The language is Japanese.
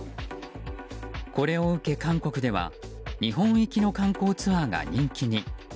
これを受け、韓国では日本行きの観光ツアーが人気に。